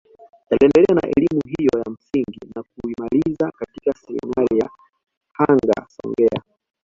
Aliendelea na elimu hiyo ya msingi na kuimaliza katika seminari ya Hanga Songea